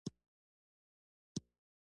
د خصوصي مالکیت او بازار نظام سرسخت مخالف دی.